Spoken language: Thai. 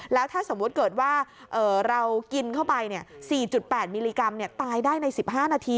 แล้วถ้าสมมุติเกิดว่าเรากินเข้าไป๔๘มิลลิกรัมตายได้ใน๑๕นาที